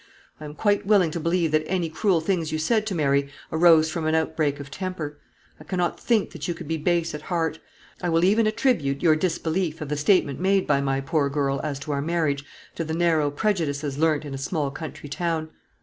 I am quite willing to believe that any cruel things you said to Mary arose from an outbreak of temper. I cannot think that you could be base at heart. I will even attribute your disbelief of the statement made by my poor girl as to our marriage to the narrow prejudices learnt in a small country town.